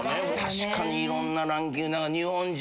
確かにいろんなランキング。